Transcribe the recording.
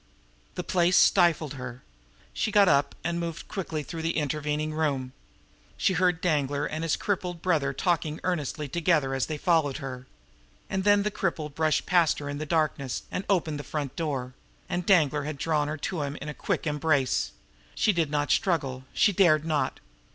The place stifled her. She got up and moved quickly through the intervening room. She heard Danglar and his crippled brother talking earnestly together as they followed her. And then the cripple brushed by her in the darkness, and opened the front door and Danglar had drawn her to him in a quick embrace. She did not struggle; she dared not.